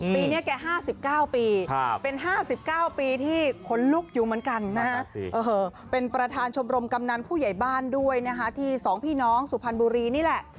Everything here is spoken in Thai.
ปีนี้แก๕๙ปีเป็น๕๙ปีที่ขนลุกอยู่เหมือนกันนะฮะเป็นประธานชมรมกำนันผู้ใหญ่บ้านด้วยนะคะที่๒พี่น้องสุพรรณบุรีนี่แหละ